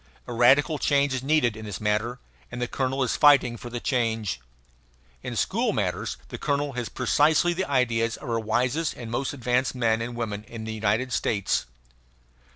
A radical change is needed in this matter; and the colonel is fighting for the change. In school matters the colonel has precisely the ideas of our wisest and most advanced men and women in the United States.